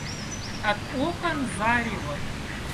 От окон зарево.